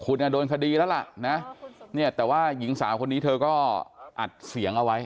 คุณโดนคดีแล้วล่ะนะเนี่ยแต่ว่าหญิงสาวคนนี้เธอก็อัดเสียงเอาไว้